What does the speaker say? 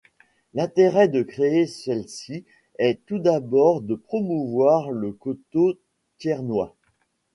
L’intérêt de créer celle-ci est tout d'abord de promouvoir le couteau thiernois.